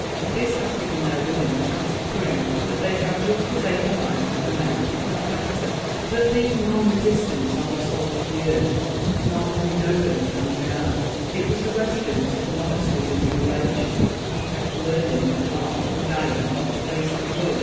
This has given their women a chance to prove that they have just as able minds as the men, if not better. That these non resistants are the salt of the earth none who know them can deny. It was the residents of the monasteries in the Middle Ages who kept learning and art from dying off the face of Europe.